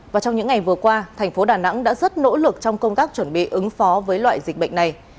và trong những ngày vừa qua thành phố đà nẵng đã rất nỗ lực trong công tác chuẩn bị ứng phó với loại dịch bệnh này